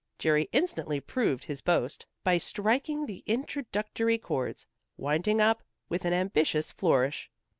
Jerry instantly proved his boast by striking the introductory chords, winding up with an ambitious flourish.